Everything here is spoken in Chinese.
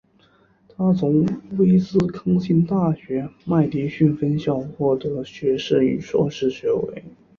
他从威斯康辛大学麦迪逊分校获得学士与硕士学位。